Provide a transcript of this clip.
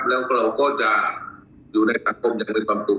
แล้วเราก็จะอยู่ในสังคมอย่างมีความสุข